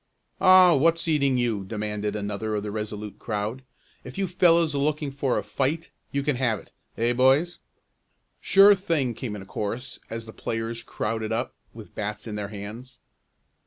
"Aw, what's eating you?" demanded another of the Resolute crowd. "If you fellows are looking for a fight you can have it; eh boys?" "Sure thing!" came in a chorus, as the players crowded up, with bats in their hands.